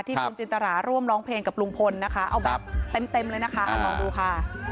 คุณจินตราร่วมร้องเพลงกับลุงพลนะคะเอาแบบเต็มเลยนะคะลองดูค่ะ